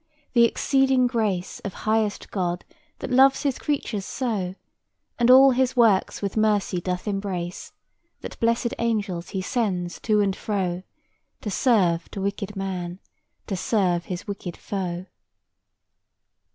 the exceeding grace Of Highest God that loves His creatures so, And all His works with mercy doth embrace, That blessed Angels He sends to and fro, To serve to wicked man, to serve His wicked foe!"